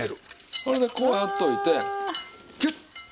それでこうやっておいてキュッ！